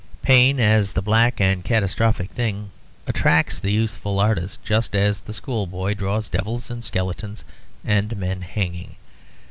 Pain, as the black and catastrophic thing, attracts the youthful artist, just as the schoolboy draws devils and skeletons and men hanging.